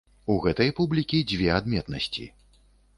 У гэтай публікі дзве адметнасці.